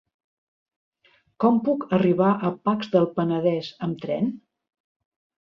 Com puc arribar a Pacs del Penedès amb tren?